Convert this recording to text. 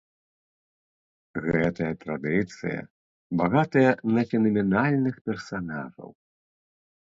Гэтая традыцыя багатая на фенаменальных персанажаў.